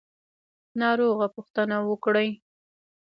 ناروغه پوښتنه وکړئ